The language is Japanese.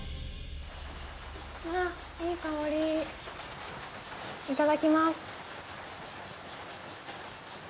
いい香り、いただきます。